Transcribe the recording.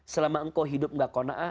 selama engkau hidup gak kona'ah